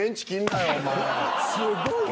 すごいな。